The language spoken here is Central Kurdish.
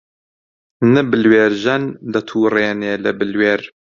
نە بلوێرژەن دەتووڕێنێ لە بلوێر